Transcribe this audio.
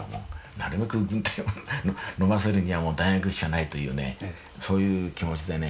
なるべく軍隊を逃せるには大学しかないというねそういう気持ちでね。